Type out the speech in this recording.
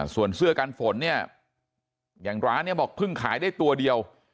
ส่วนเสื้อกันฝนเนี่ยอย่างร้านเนี่ยบอกเพิ่งขายได้ตัวเดียว